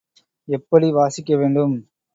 எப்படி வாசிக்க வேண்டும்?